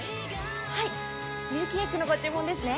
はいミルキーエッグのご注文ですね。